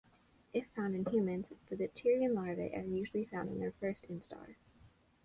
If found in humans, the dipteran larvae are usually in their first instar.